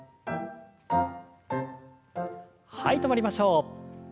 はい止まりましょう。